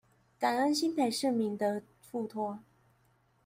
感恩新北市民的付託